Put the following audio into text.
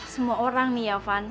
semua orang nih ya van